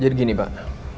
jadi gini pak